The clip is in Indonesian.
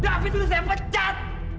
david dulu saya pecat